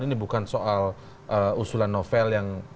ini bukan soal usulan novel yang